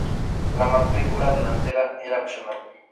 La matrícula delantera era opcional.